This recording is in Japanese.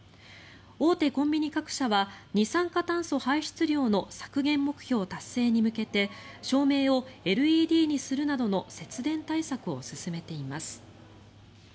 大手コンビニ各社は二酸化炭素排出量の削減目標達成に向けて照明をＬＥＤにするなどの節電対策を進めています。